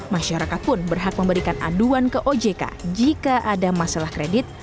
masyarakat pun berhak memberikan aduan ke ojk jika ada masalah kredit